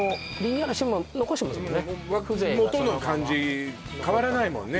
もんねもとの感じ変わらないもんね